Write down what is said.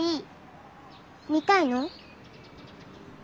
見たいの？